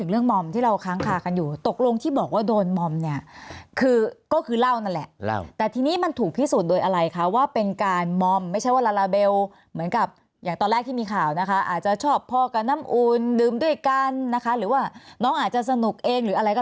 เขาอยากจะดูคำให้การเราให้ดูคำให้การของเขานะ